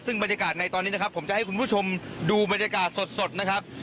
ซึ่งบรรยากาศในตอนนี้นะครับผมจะให้คุณผู้ชมดูบรรยากาศสดนะครับ